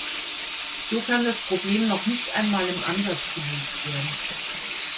So kann das Problem noch nicht einmal im Ansatz gelöst werden.